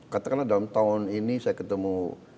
katakanlah dalam tahun ini saya ketemu